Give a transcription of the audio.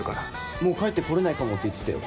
もう帰ってこれないかもって言ってたよ。